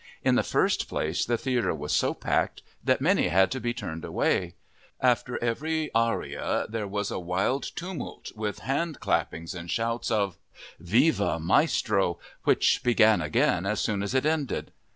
In the first place the theatre was so packed that many had to be turned away; after every aria there was a wild tumult, with handclappings and shouts of 'Viva Maestro,' which began again as soon as it ended!"